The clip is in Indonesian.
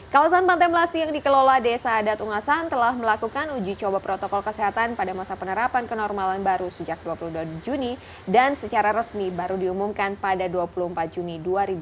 kawasan pantai melasti yang dikelola desa adat ungasan telah melakukan uji coba protokol kesehatan pada masa penerapan kenormalan baru sejak dua puluh dua juni dan secara resmi baru diumumkan pada dua puluh empat juni dua ribu dua puluh